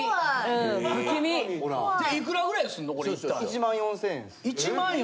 １万４０００。